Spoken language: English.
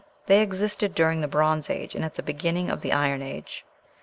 They existed during the Bronze Age and at the beginning of the Iron Age.